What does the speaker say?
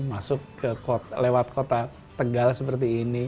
masuk lewat kota tegal seperti ini